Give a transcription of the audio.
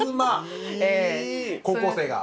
高校生が！